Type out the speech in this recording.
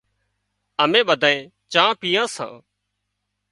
اَمين ٻڌانئين چانه پيئان سان۔